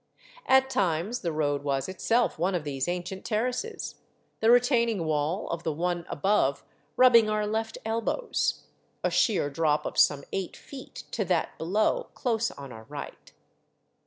At times the road was itself one of these ancient terraces, the retaining wall of the one above rubbing our left elbows, a sheer drop of some eight feet to that below close on our right.